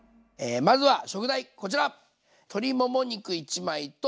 まずは食材こちら！